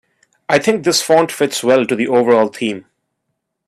I think this font fits well to the overall theme.